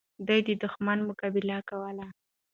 دوی د دښمن مقابله کوله.